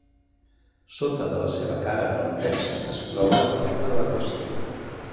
Sota de la seva cara nord-est es troba la Cometa de la Qüestió.